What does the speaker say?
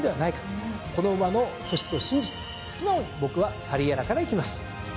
この馬の素質を信じて素直に僕はサリエラからいきます。